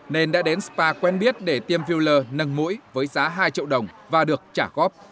nên đã đến spa quen biết để tiêm filler nâng mũi với giá hai triệu đồng và được trả góp